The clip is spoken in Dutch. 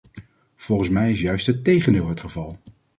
Volgens mij is juist het tegendeel het geval!